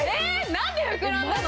なんで膨らんだの？